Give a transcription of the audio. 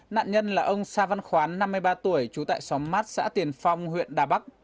nạn nhân là ông sa văn khoán năm mươi ba tuổi trú tại xóm mát xã tiền phong huyện đà bắc